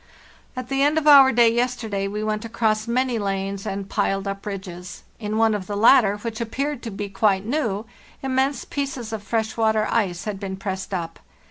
"At the end of our day, yesterday, we went across many lanes and piled up ridges; in one of the latter, which appeared to be quite new, immense pieces of fresh water ice had been pressed up.